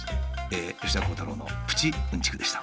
吉田鋼太郎のプチうんちくでした。